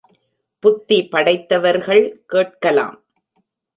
புத்தி படைத்தவர்கள் கேட்கலாம்.